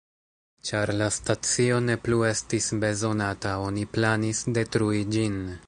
Ĉar la stacio ne plu estis bezonata, oni planis, detrui ĝin.